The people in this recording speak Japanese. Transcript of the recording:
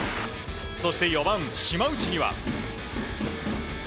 そして４番、島内には。